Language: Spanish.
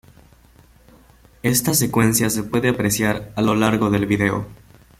Está secuencia se puede apreciar a lo largo del video.